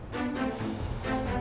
masih masih yakin